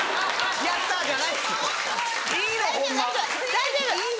大丈夫。